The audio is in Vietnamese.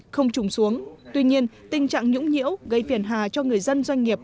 không trùng xuống tuy nhiên tình trạng nhũng nhiễu gây phiền hà cho người dân doanh nghiệp